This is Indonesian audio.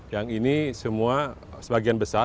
yang ini semua sebagian besar